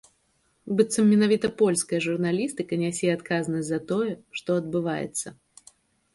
Быццам менавіта польская журналістыка нясе адказнасць за тое, што адбываецца.